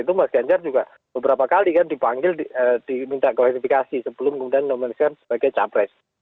itu mas ganjel juga beberapa kali kan dipanggil diminta kualifikasi sebelum kemudian nominasi sebagai cahabres